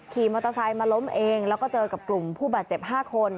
ขี่มอเตอร์ไซค์มาล้มเองแล้วก็เจอกับกลุ่มผู้บาดเจ็บ๕คน